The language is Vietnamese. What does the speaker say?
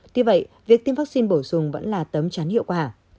tuy vậy việc tiêm vắc xin bổ dùng vẫn là tấm chán hiệu quả